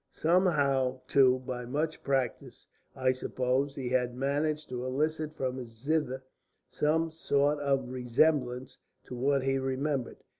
Somehow, too, by much practice, I suppose, he had managed to elicit from his zither some sort of resemblance to what he remembered.